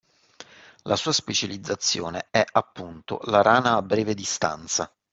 La sua specializzazione è, appunto, la rana a breve distanza.